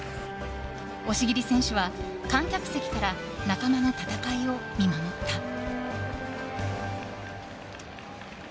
押切選手は、観客席から仲間の戦いを見守った。